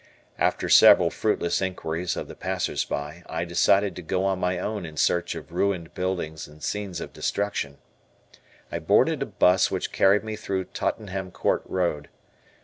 After several fruitless inquiries of the passersby, I decided to go on my own in search of ruined buildings and scenes of destruction. I boarded a bus which carried me through Tottenham Court Road.